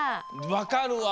わかるわ！